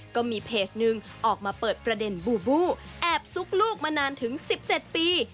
ก็มีเพจนึงออกมาเปิดประเด็นบูบูแอบซุกลูกมานานถึง๑๗ปี